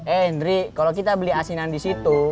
eh indri kalo kita beli asinan disitu